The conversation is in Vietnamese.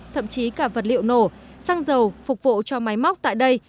thậm chí cả vật liệu nổ xăng dầu phục vụ cho máy móc tại đây